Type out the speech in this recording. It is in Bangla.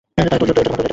তোজো, এটা তোমার।